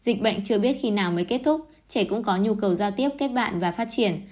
dịch bệnh chưa biết khi nào mới kết thúc trẻ cũng có nhu cầu giao tiếp kết bạn và phát triển